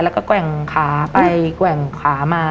แล้วก็แกว่งขาไปแกว่งขามา